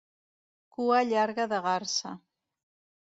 Cua llarga de garsa.